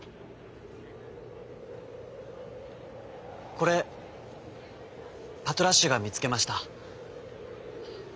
「これパトラッシュがみつけました」。